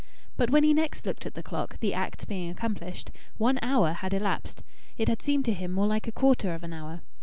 But when he next looked at the clock, the acts being accomplished, one hour had elapsed; it had seemed to him more like a quarter of an hour.